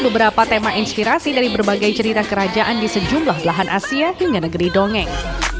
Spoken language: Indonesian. beberapa tema inspirasi dari berbagai cerita kerajaan di sejumlah belahan asia hingga negeri dongeng